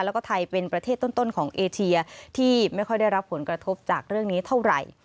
แล้วก็ไทยเป็นประเทศต้นของเอเชียที่ไม่ค่อยได้รับผลกระทบจากเรื่องนี้เท่าไหร่